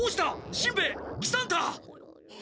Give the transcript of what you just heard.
しんべヱ喜三太！